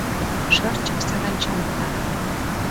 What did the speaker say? Шырчык саранчам пытара.